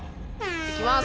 行きます。